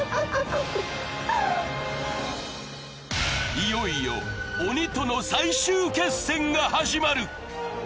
いよいよ鬼との最終決戦が始まる。